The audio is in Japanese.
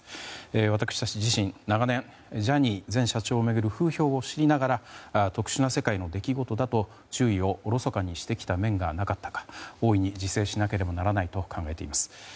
私たち自身長年、ジャニー前社長を巡る風評を知りながら特殊な世界の出来事だと注意をおろそかにしてきた面がなかったか大いに自制しなければならないと考えています。